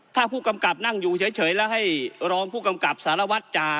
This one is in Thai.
ถ้าผู้กำกับนั่งอยู่เฉยแล้วให้รองผู้กำกับสารวัตรจ่า